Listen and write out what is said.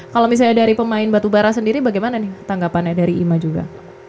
kalau misalnya dari pemain batubara sendiri bagaimana nih tanggapannya dari ima juga